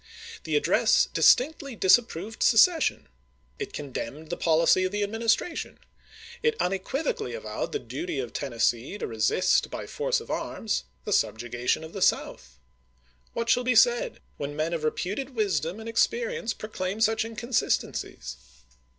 The address distinctly disapproved secession; it con demned the policy of the Administration ; it un "Rebellion Record." equivocally avowed the duty of Tennessee to resist voi.i. doc ■■■''^_ uments, by force of arms the subjugation of the South, pp. 71,72. What shall be said when men of reputed wisdom and experience proclaim such inconsistencies